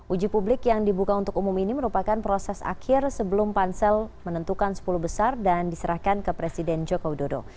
uji publik yang dibuka untuk umum ini merupakan proses akhir sebelum pansel menentukan sepuluh besar dan diserahkan ke presiden joko widodo